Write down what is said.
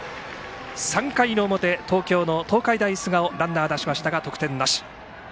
３回の表、東京の東海大菅生ランナー出しましたが、得点なし。